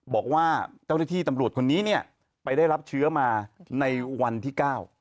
บอกว่าเจ้าหน้าที่ตำรวจคนนี้เนี่ยไปได้รับเชื้อมาในวันที่๙